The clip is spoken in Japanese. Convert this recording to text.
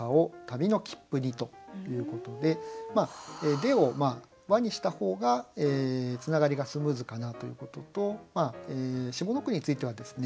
「で」を「は」にした方がつながりがスムーズかなということと下の句についてはですね